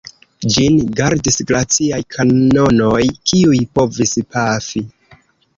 Ĝin gardis glaciaj kanonoj, kiuj povis pafi.